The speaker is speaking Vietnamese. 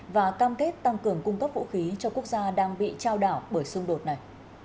và cam kết tăng cường cung cấp vũ khí cho quốc gia đang bị trao đảo bởi xung đột này